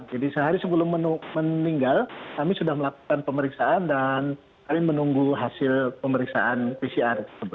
jadi sehari sebelum meninggal kami sudah melakukan pemeriksaan dan kami menunggu hasil pemeriksaan pcr